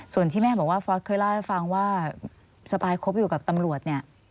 ส่วนที่แม่บอกว่าฟอร์สเคยเล่าให้ฟังว่าสปายคบอยู่กับตำรวจเนี่ย